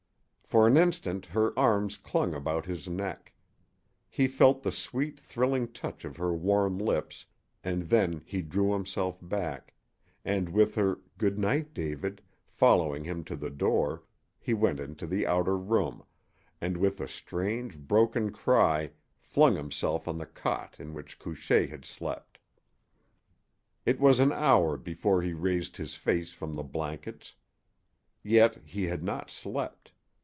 For an instant her arms clung about his neck. He felt the sweet, thrilling touch of her warm lips, and then he drew himself back; and, with her "Good night, David" following him to the door, he went into the outer room, and with a strange, broken cry flung himself on the cot in which Couchée had slept. It was an hour before he raised his face from the blankets. Yet he had not slept.